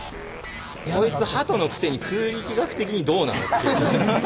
こいつ鳩のくせに空力学的にどうなのって。